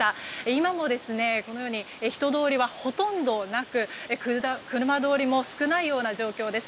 今も、人通りはほとんどなく車通りも少ないような状況です。